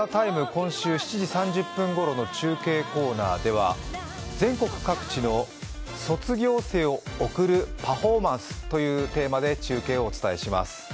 今週７時３０分ごろの中継コーナーでは全国各地の卒業生を送るパフォーマンスというテーマで中継をお伝えします。